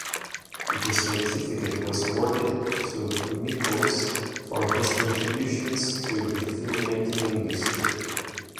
The certificate was awarded to Mikels for his contributions to the filmmaking industry.